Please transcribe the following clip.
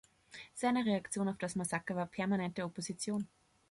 Seine Reaktion auf das Massaker war permanente Opposition.